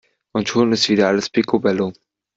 Und schon ist wieder alles picobello!